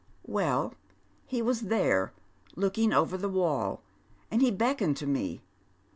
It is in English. " Well, he was there, looking over the wall, and he beckoned to me.